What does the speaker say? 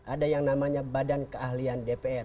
ada yang namanya badan keahlian dpr